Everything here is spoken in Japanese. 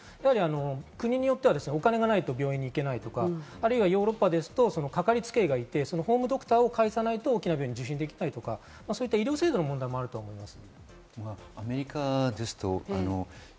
国によってはお金がないと病院に行けないとか、ヨーロッパですとかかりつけ医がいて、ホームドクターを介さないと大きな病院を受診できないとか医療制度の問題もあると思います。